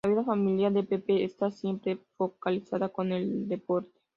La vida familiar de Pepe está siempre focalizada en el deporte.